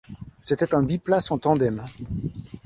C'était un biplace en tandem.